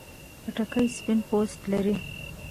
خټکی سپین پوست لري.